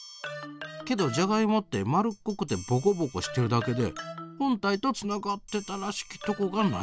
けどじゃがいもって丸っこくてぼこぼこしてるだけで本体とつながってたらしきとこがないねん。